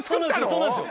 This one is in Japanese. そうなんですよ